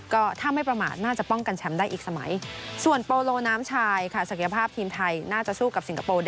ก็ถ้าไม่ประมาณน่าจะป้องกันแชมป์ได้อีกสมัยส่วนโปโลน้ำชายค่ะ